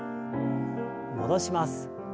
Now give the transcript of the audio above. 戻します。